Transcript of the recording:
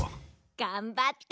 がんばって！